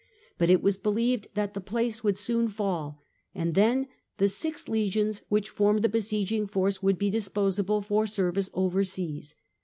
But it was believed that the place would soon fall, and then the six legions which formed the besieging force would be disposable for service over seas.